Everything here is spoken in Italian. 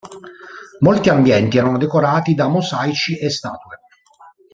Molti ambienti erano decorati da mosaici e statue.